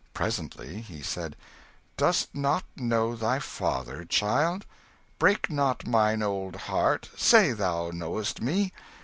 Presently he said "Dost not know thy father, child? Break not mine old heart; say thou know'st me.